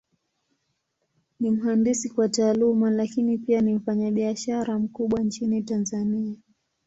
Ni mhandisi kwa Taaluma, Lakini pia ni mfanyabiashara mkubwa Nchini Tanzania.